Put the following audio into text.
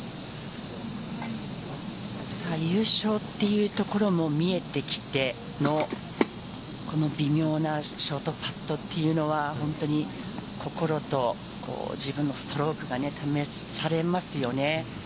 優勝というところも見えてきてのこの微妙なショートパットというのは本当に心と自分のストロークが試されますよね。